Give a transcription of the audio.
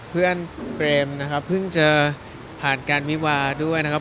เปรมนะครับเพิ่งจะผ่านการวิวาด้วยนะครับ